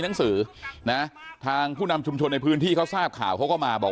หนังสือนะทางผู้นำชุมชนในพื้นที่เขาทราบข่าวเขาก็มาบอก